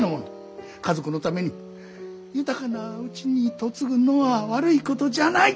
家族のために豊かな家に嫁ぐのは悪いことじゃない。